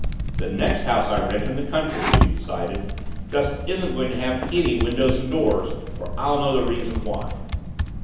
The next house I rent in the country, she decided, just isn't going to have any windows and doors or I'll know the reason why.